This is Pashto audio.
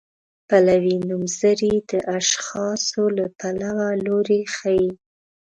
پلوي نومځري د اشخاصو له پلوه لوری ښيي.